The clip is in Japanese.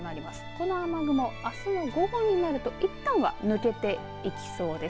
この雨雲あすの午後になるといったんは抜けていきそうです。